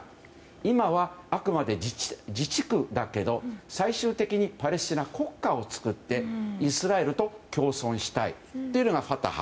今はあくまで自治区だけど最終的にパレスチナ国家を造ってイスラエルと共存したいというのがファタハ。